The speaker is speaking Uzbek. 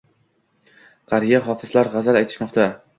Qariya hofizlar g‘azal aytishmoqda.